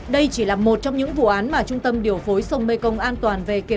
đây chỉ là một trong những vụ án mà trung tâm điều phối sông mekong an toàn đã thực hiện